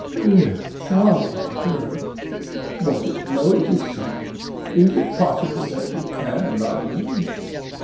dear, charming girl; was it no deceit? Is it possible that you can love me?"